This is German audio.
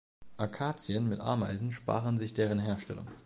Akazien mit Ameisen sparen sich deren Herstellung.